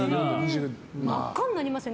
真っ赤になりますよね。